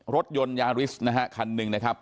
รถยนต์ยาริสนะฮะคันหนึ่งนะครับ